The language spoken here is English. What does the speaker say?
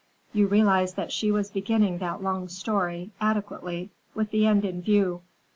You realized that she was beginning that long story, adequately, with the end in view.